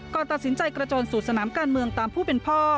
ก่อนตัดสินใจกระโจนสู่สนามการเมืองตามผู้เป็นพ่อ